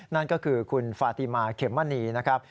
นั่นก็คือคุณฟาติมาเขมมณีนะครับ